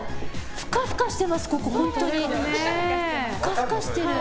ふかふかしてます、本当。